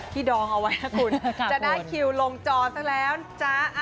ดองเอาไว้นะคุณจะได้คิวลงจอซะแล้วนะจ๊ะ